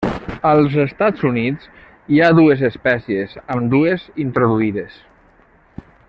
Als Estats Units hi ha dues espècies, ambdues introduïdes.